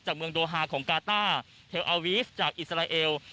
เมืองโดฮาของกาต้าเทลอาวีฟจากอิสราเอล